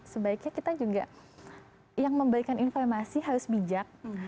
sebaiknya kita juga yang memberikan informasi harus bijak